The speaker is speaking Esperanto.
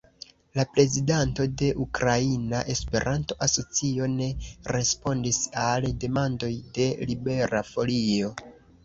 La prezidanto de Ukraina Esperanto-Asocio ne respondis al demandoj de Libera Folio.